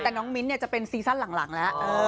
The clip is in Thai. แต่น้องมิ้นท์จะเป็นซีซั่นหลังแล้ว